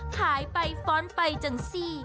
หายไปฟ้อนไปจังสิ